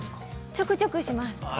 ◆ちょくちょくします。